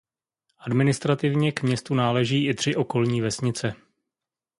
Administrativně k městu náleží i tři okolní vesnice.